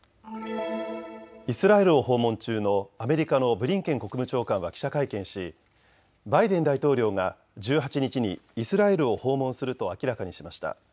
イスラエルを訪問中のアメリカのブリンケン国務長官は記者会見しバイデン大統領が１８日にイスラエルを訪問すると明らかにしました。